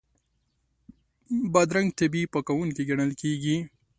بادرنګ طبیعي پاکوونکی ګڼل کېږي.